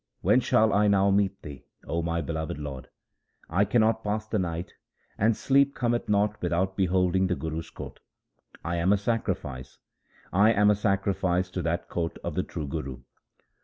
When shall I now meet thee, O my beloved lord ? I cannot pass the night, and sleep cometh not without beholding the Guru's court. I am a sacrifice, I am a sacrifice to that court of the true Guru.